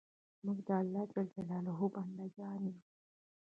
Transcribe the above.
موږ د الله ج بندګان یو